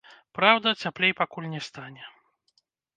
Праўда, цяплей пакуль не стане.